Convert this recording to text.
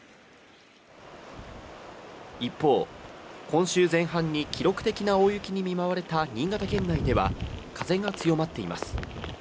一方、今週前半に記録的な大雪に見舞われた新潟県内では風が強まっています。